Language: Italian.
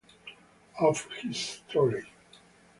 Off His Trolley